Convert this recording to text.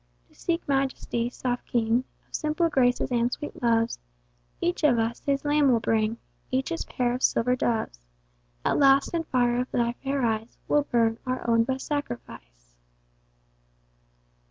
To seek Majesty, soft king Of simple graces, and sweet loves, Each of us his lamb will bring, Each his pair of silver doves. At last, in fire of thy fair eyes, We'll burn, our own best sacrifice.